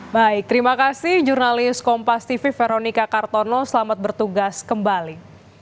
baik terima kasih jurnalis kompas tv veronica kartono selamat bertugas kembali